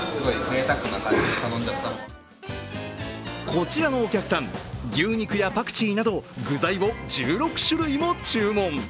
こちらのお客さん、牛肉やパクチーなど具材を１６種類も注文。